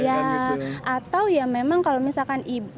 ya atau ya memang kalau misalkan ibu evita mbak